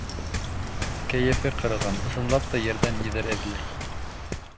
Кәйефе ҡырылған, ысынлап та ерҙән ниҙер эҙләй: